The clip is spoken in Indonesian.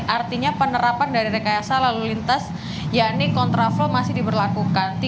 artinya penerapan dari rekayasa lalu lintas yakni kontraflow masih diberlakukan